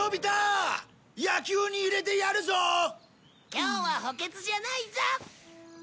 今日は補欠じゃないぞ！